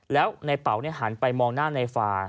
แล้วในเป๋าหันไปมองหน้าในฟา